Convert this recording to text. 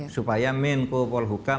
supaya menkopol hukam